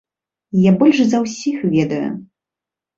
Я больш за ўсіх ведаю.